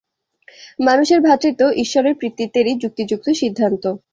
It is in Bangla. মানুষের ভ্রাতৃত্ব ঈশ্বরের পিতৃত্বেরই যুক্তিযুক্ত সিদ্ধান্ত।